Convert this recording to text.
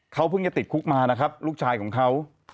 เขาเพิ่งจะติดคุกมานะครับลูกชายของเขา